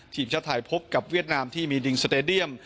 ทีมชาติไทยพบกับเวียดนามที่มีดิงสเตดียม